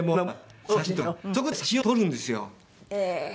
そこで写真を撮るんですよ。